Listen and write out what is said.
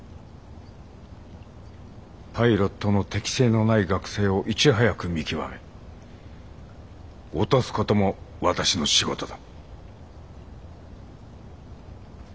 パイロットの適性のない学生をいち早く見極め落とすことも私の仕事だ。